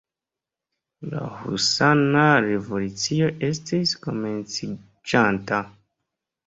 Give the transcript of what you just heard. La husana revolucio estis komenciĝanta...